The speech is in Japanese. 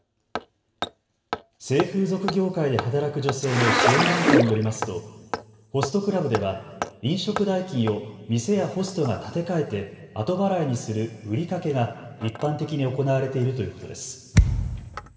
性風俗業界で働く女性の支援団体によりますとホストクラブでは飲食代金を店やホストが立て替えて後払いにする売掛が一般的に行われているということです。